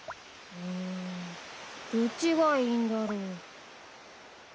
うんどっちがいいんだろう？